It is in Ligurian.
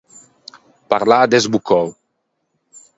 Parlâ desboccou.